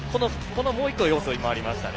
もう１個、要素がありましたね。